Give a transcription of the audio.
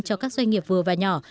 cho các doanh nghiệp vừa và nhỏ